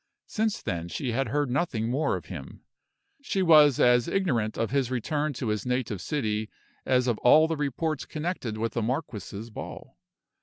Since then she had heard nothing more of him. She was as ignorant of his return to his native city as of all the reports connected with the marquis's ball.